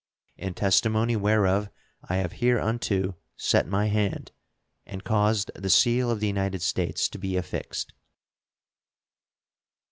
In testimony whereof I have hereunto set my hand and caused the seal of the United States to be affixed.